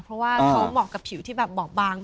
เพราะว่าเขาเหมาะกับผิวที่แบบบอบบาง